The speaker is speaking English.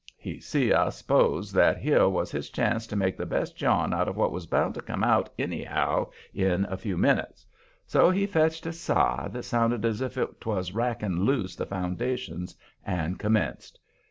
He see, I s'pose, that here was his chance to make the best yarn out of what was bound to come out anyhow in a few minutes. So he fetched a sigh that sounded as if 'twas racking loose the foundations and commenced.